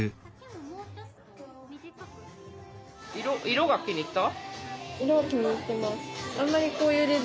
色が気に入った？